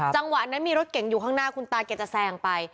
จังหวะนั้นมีรถเก่งอยู่ข้างหน้าคุณตาแกจะแซงไป